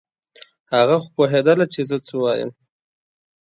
هغه خو پوهېدله چې زه څه وایم.